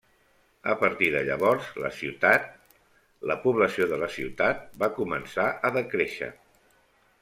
A partir de llavors la ciutat, la població de la ciutat va començar a decréixer.